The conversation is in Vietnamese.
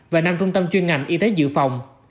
và năm trung tâm chuyên ngành y tế dự phòng